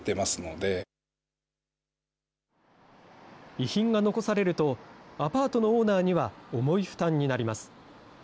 遺品が残されると、アパートのオーナーには重い負担になります。